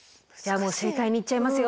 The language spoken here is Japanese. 正解にいっちゃいますよ。